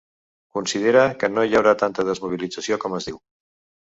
Considera que “no hi haurà tanta desmobilització com es diu”.